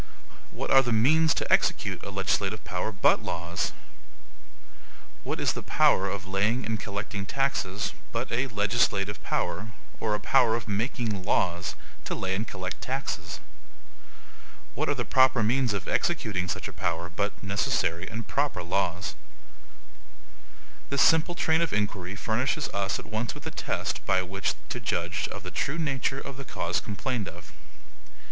What are the MEANS to execute a LEGISLATIVE power but LAWS? What is the power of laying and collecting taxes, but a LEGISLATIVE POWER, or a power of MAKING LAWS, to lay and collect taxes? What are the proper means of executing such a power, but NECESSARY and PROPER laws? This simple train of inquiry furnishes us at once with a test by which to judge of the true nature of the clause complained of.